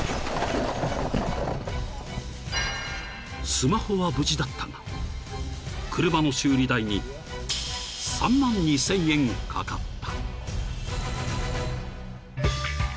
［スマホは無事だったが車の修理代に３万２，０００円かかった］